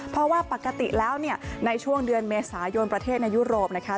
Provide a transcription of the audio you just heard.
เพราะว่าปกติแล้วเนี่ยในช่วงเดือนเมษายนประเทศในยุโรปนะคะ